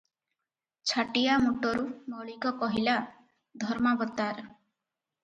ଛାଟିଆମୁଟରୁ ମଳିକ କହିଲା, "ଧର୍ମାବତାର!